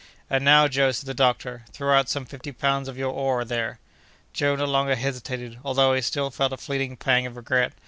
"And now, Joe," said the doctor, "throw out some fifty pounds of your ore, there!" Joe no longer hesitated, although he still felt a fleeting pang of regret.